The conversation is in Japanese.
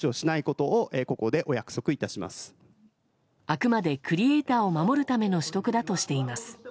あくまでクリエーターを守るための取得だとしています。